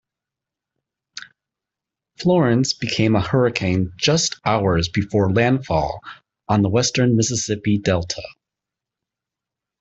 Florence became a hurricane just hours before landfall on the western Mississippi Delta.